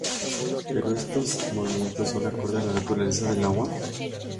Pero, ¿estos movimientos son acordes a la naturaleza del agua?